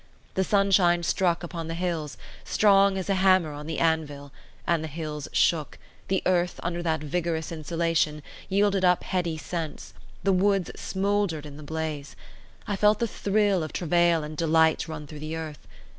The sunshine struck upon the hills, strong as a hammer on the anvil, and the hills shook; the earth, under that vigorous insulation, yielded up heady scents; the woods smouldered in the blaze. I felt the thrill of travail and delight run through the earth.